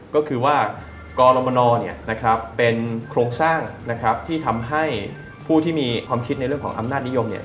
ก็คือว่ากรมนเป็นโครงสร้างนะครับที่ทำให้ผู้ที่มีความคิดในเรื่องของอำนาจนิยมเนี่ย